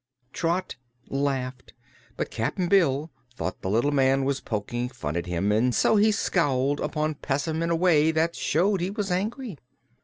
Trot laughed, but Cap'n Bill thought the little man was poking fun at him and so he scowled upon Pessim in a way that showed he was angry.